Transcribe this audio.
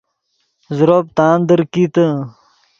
زروپ تاندیر کیتے